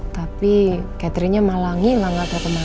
tapi catherinenya malangin lah gak terkemanin